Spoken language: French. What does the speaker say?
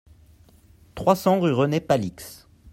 trois cents rue René Palix